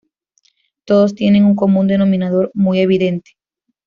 todos tienen un común denominador muy evidente